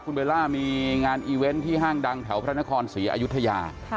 คุณเบลล่ามีงานอีเวนต์ที่ห้างดังแถวพระนครศรีอยุธยา